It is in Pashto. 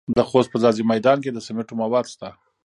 د خوست په ځاځي میدان کې د سمنټو مواد شته.